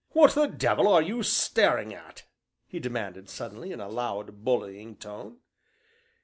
"What the devil are you staring at?" he demanded suddenly, in a loud, bullying tone.